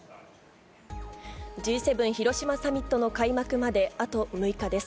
Ｇ７広島サミットの開幕まであと６日です。